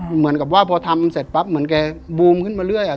เหมือนกับว่าพอทำเสร็จปั๊บเหมือนแกบูมขึ้นมาเรื่อย